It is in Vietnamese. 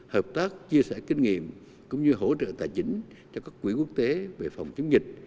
hợp tác chia sẻ kinh nghiệm cũng như hỗ trợ tài chính cho các quỹ quốc tế về phòng chống dịch